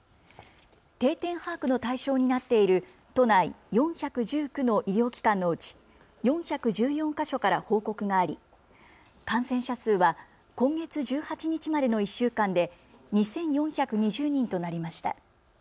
定点把握の対象になっている都内４１９の医療機関のうち４１４か所から報告があり感染者数は今月１８日までの１週間で２４２０人となりました。